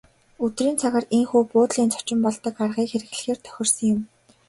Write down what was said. Өдрийн цагаар ийнхүү буудлын зочин болдог аргыг хэрэглэхээр тохирсон юм.